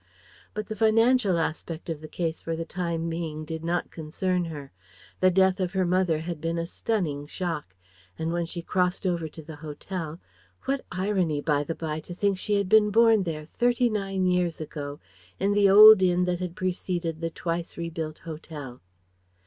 But the financial aspect of the case for the time being did not concern her. The death of her mother had been a stunning shock, and when she crossed over to the hotel what irony, by the bye, to think she had been born there thirty nine years ago, in the old inn that had preceded the twice rebuilt hotel!